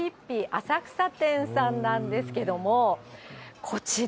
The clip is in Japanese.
浅草店さんなんですけども、こちら、